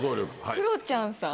クロちゃんさん。